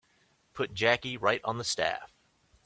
Put Jackie right on the staff.